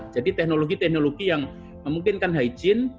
jadi teknologi teknologi yang memungkinkan hijin